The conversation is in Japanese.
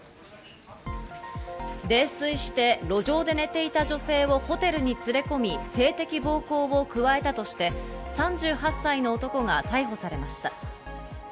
泥酔して路上で寝ていた女性をホテルに連れ込み、性的暴行を加えたとして、３８歳の男が逮捕されました。